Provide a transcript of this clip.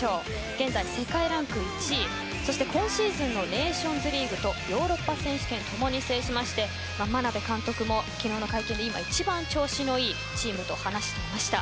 現在、世界ランク１位そして、今シーズンのネーションズリーグとヨーロッパ選手権ともに制しまして眞鍋監督も昨日の会見で今、一番調子のいいチームと話していました。